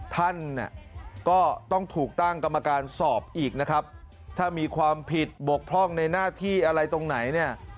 ท่านเนี่ยก็ต้องถูกตั้งกรรมการสอบอีกนะครับถ้ามีความผิดบกพร่องในหน้าที่อะไรตรงไหนเนี่ย